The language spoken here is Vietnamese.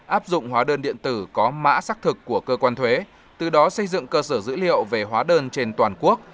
áp dụng hóa đơn điện tử có mã xác thực của cơ quan thuế từ đó xây dựng cơ sở dữ liệu về hóa đơn trên toàn quốc